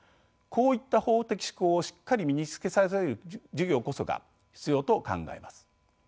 こういった法的思考をしっかり身につけさせる授業こそが必要と考えます。